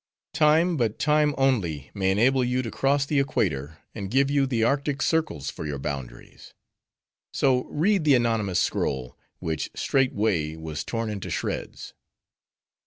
"Time, but Time only, may enable you to cross the equator; and give you the Arctic Circles for your boundaries." So read the anonymous scroll; which straightway, was torn into shreds.